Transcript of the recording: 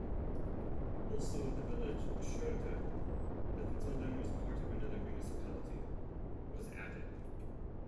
Also the village Scheulder, that until then was part of another municipality, was added.